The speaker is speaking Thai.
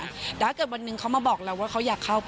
แต่ถ้าเกิดวันหนึ่งเขามาบอกเราว่าเขาอยากเข้า